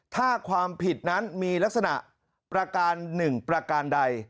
ถ้าความผิดนั้นมีลักษณะประการหนึ่งประการใด